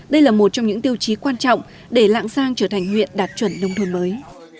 đây là một trong những tiêu chí quan trọng để lạng giang trở thành huyện đạt chuẩn nông thôn mới